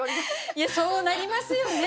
いやそうなりますよね！